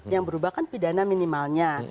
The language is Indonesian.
yang berubah kan pidana minimalnya